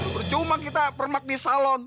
percuma kita permak di salon